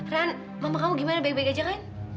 ran mama kamu gimana baik baik aja kan